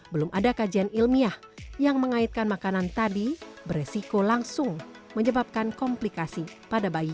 belum ada kajian ilmiah yang mengaitkan makanan tadi beresiko langsung menyebabkan komplikasi pada bayi